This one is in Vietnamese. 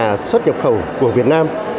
các nhà xuất nhập khẩu của việt nam